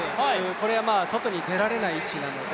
これは外に出られない位置なので。